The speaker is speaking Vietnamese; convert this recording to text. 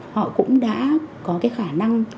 họ cũng đã có cái khả năng